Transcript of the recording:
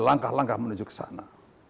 langkah langkah menuju ke sana